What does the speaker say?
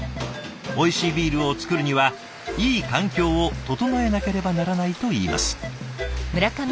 おいしいビールを造るにはいい環境を整えなければならないといいます。